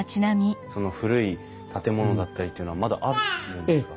その古い建物だったりっていうのはまだあるんですか？